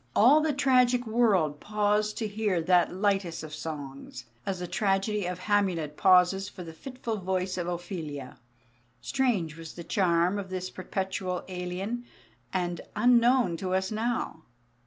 All the tragic world paused to hear that lightest of songs, as the tragedy of Hamlet pauses for the fitful voice of Ophelia. Strange was the charm of this perpetual alien, and unknown to us now.